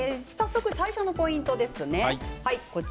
最初のポイントです。